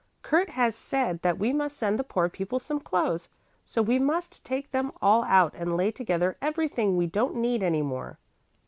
"Kurt has said that we must send the poor people some clothes, so we must take them all out and lay together everything we don't need any more.